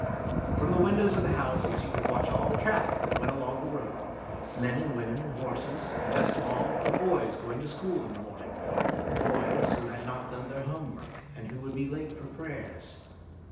From the windows of the houses you could watch all the traffic that went along the road, men and women and horses, and best of all, the boys going to school in the morning boys who had not done their homework and who would be late for prayers.